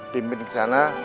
timbin ke sana